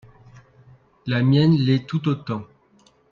La mienne l’est tout autant.